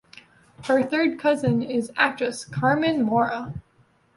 Her third cousin is actress Carmen Maura.